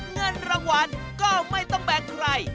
เงินรางวัลก็ไม่ต้องแบ่งใคร